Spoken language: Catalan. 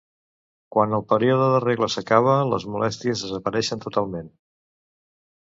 Quan el període de regla s’acaba les molèsties desapareixen totalment.